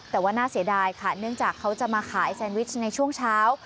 แต่ว่าน่าเสียดายค่ะเนื่องจากเขาจะมาขายแซนวิชในช่วงเช้า